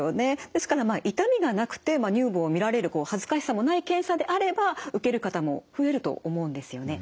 ですから痛みがなくて乳房を見られる恥ずかしさもない検査であれば受ける方も増えると思うんですよね。